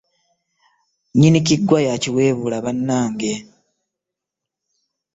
Nyini kiggwa y'akiwebuula bannange.